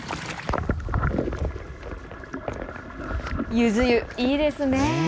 ゆず湯、いいですね。